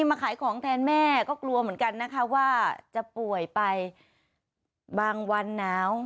มาขายของแทนแม่ก็กลัวเหมือนกันนะคะว่าจะป่วยไปบางวันหนาว